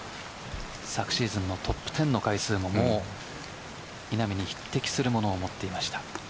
昨シーズンのトップ１０の回数も稲見に匹敵するものを持っていました。